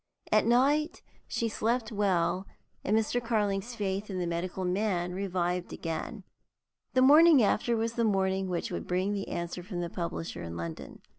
At night she slept well, and Mr. Carling's faith in the medical man revived again. The morning after was the morning which would bring the answer from the publisher in London.